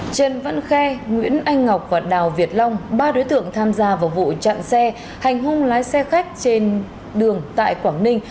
trần văn khe nguyễn anh ngọc và đào việt long ba đối tượng tham gia vào vụ chặn xe hành hung lái xe khách trên đường tại quảng ninh